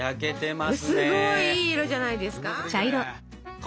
すごいいい色じゃないですか！